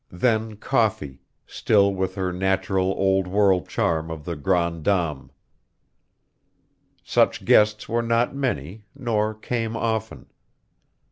Then coffee, still with her natural Old World charm of the grande dame. Such guests were not many, nor came often.